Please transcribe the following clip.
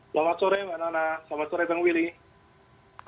selamat sore mbak nana selamat sore bang willy